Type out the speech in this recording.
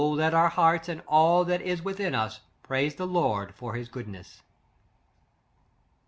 let our hearts, and all that is within us, praise the Lord for his goodness.'